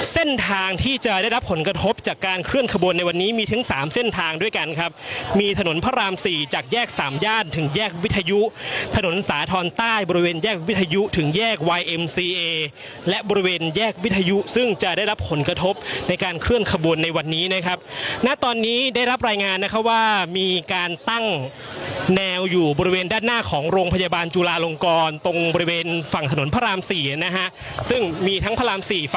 เส้นทางที่จะได้รับผลกระทบจากการเคลื่อนขบวนในวันนี้มีถึงสามเส้นทางด้วยกันครับมีถนนพระรามสี่จากแยกสามย่านถึงแยกวิทยุถนนสาธรณ์ใต้บริเวณแยกวิทยุถึงแยกวิทยุและบริเวณแยกวิทยุซึ่งจะได้รับผลกระทบในการเคลื่อนขบวนในวันนี้นะครับณตอนนี้ได้รับรายงานนะครับว่ามีการตั้งแนวอยู่บริเวณด้